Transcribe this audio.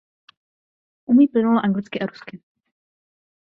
Umí plynule anglicky a rusky.